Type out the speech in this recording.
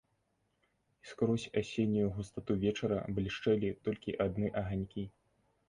І скрозь асеннюю густату вечара блішчэлі толькі адны аганькі.